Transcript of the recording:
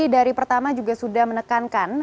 dari pertama juga sudah menekankan